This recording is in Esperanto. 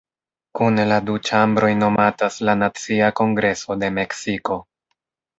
Kune la du ĉambroj nomatas la "Nacia Kongreso de Meksiko".